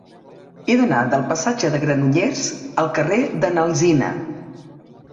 He d'anar del passatge de Granollers al carrer de n'Alsina.